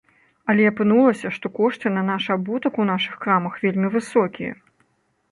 Але апынулася, што кошты на наш абутак у нашых крамах вельмі высокія.